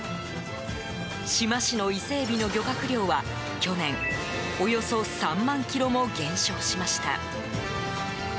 志摩市のイセエビの漁獲量は去年、およそ３万ｋｇも減少しました。